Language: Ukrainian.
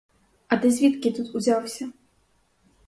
А ти звідки тут узявся?